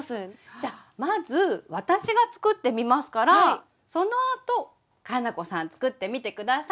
じゃあまず私が作ってみますからそのあと佳菜子さん作ってみて下さい。